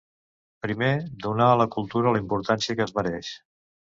Primer, donar a la cultura la importància que es mereix.